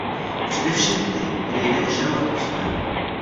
Především ty, kde jde o čirou atmosféru.